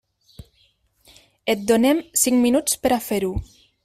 Et donem cinc minuts per a fer-ho.